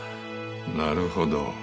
なるほど。